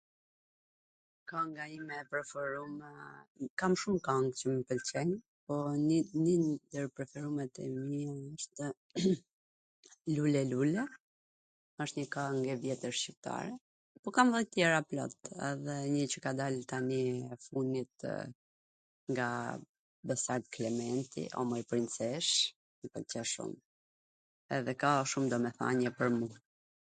Kwnga ime e preferume, kam shum kang qw mw pwlqejn, po nji ndwr tw preferumet e mia ishte Lule lule, asht njw kang e vjetwr shqiptare, po kam dhe tw tjera plot, edhe njw qw ka dal tani e funditw nga Besart Klementi, O moj princesh, mw pwlqe shum. Edhe ka shum domethanie pwr mu.